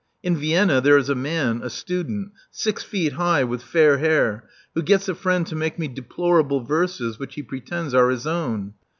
In Vienna there is a man — a student — six feet high, with fair hair, who gets a friend to make me deplorable verses which he pretends are his own.